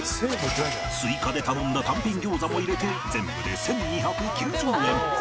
追加で頼んだ単品餃子も入れて全部で１２９０円。